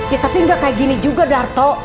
ya tapi nggak kayak gini juga darto